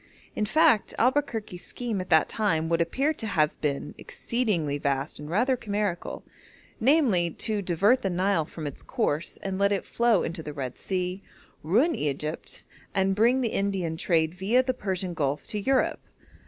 In fact, Albuquerque's scheme at that time would appear to have been exceedingly vast and rather chimerical namely, to divert the Nile from its course and let it flow into the Red Sea, ruin Egypt, and bring the India trade viâ the Persian Gulf to Europe.